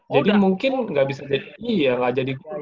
jadi mungkin gak bisa jadi guru